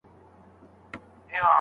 زوی به بازار ته رسېدلی وي.